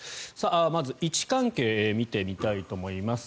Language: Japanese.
まず位置関係見てみたいと思います。